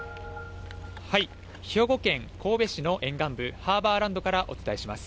兵庫県神戸市の沿岸部、ハーバーランドからお伝えします。